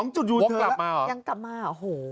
๒จุดอยู่เธอแล้วยังกลับมาเหรอ